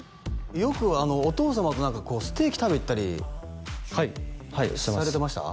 よくお父様とステーキ食べに行ったりされてました？